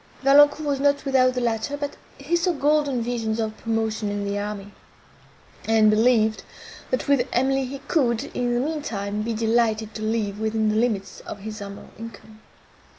Valancourt was not without the latter, but he saw golden visions of promotion in the army; and believed, that with Emily he could, in the mean time, be delighted to live within the limits of his humble income.